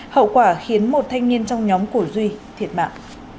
hậu quả khiến một thanh niên trong nhóm của duy thiệt mạng